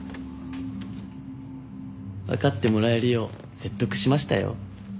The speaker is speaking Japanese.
分かってもらえるよう説得しましたよ。